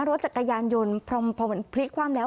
รถจักรยานยนต์พอมันพลิกคว่ำแล้ว